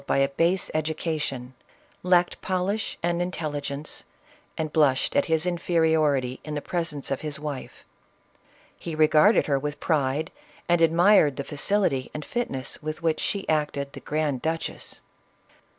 by a base education, lacked polish and intelligence, and blushed at his inferiority in the presence of his wife. He regarded her with pride, and admired the facility and fitness with which she acted the grand duchess.